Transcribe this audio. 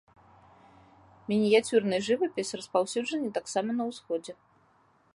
Мініяцюрны жывапіс распаўсюджаны таксама на ўсходзе.